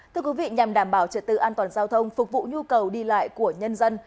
thưa quý vị nhằm đảm bảo trật tự an toàn giao thông phục vụ nhu cầu đi lại của nhân dân